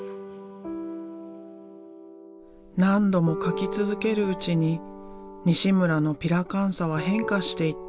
何度も描き続けるうちに西村のピラカンサは変化していった。